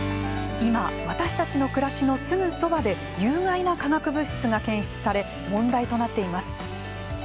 今、私たちの暮らしのすぐそばで有害な化学物質が検出され問題となっています。